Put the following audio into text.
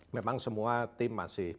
memang semua tim masih